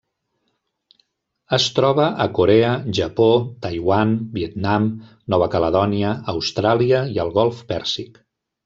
Es troba a Corea, Japó, Taiwan, Vietnam, Nova Caledònia, Austràlia i el Golf Pèrsic.